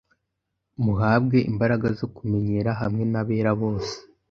muhabwe imbaraga zo kumenyera hamwe n’abera bose